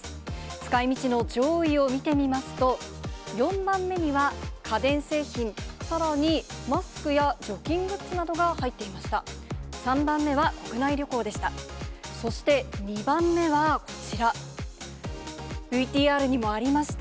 使いみちの上位を見てみますと、４番目には家電製品、さらにマスクや除菌グッズなどが入っていました。